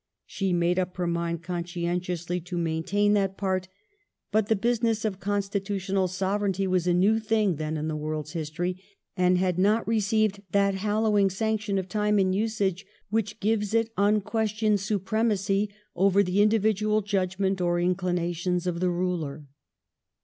She made up her mind conscientiously to maintain that part ; but the business of constitutional sovereignty 1714 QUEEN ANNE'S DEATH. 383 was a new thing then in the world's history, and had not received that hallowing sanction of time and usage which gives it unquestioned supremacy over the individual judgment or inclinations of the ruler.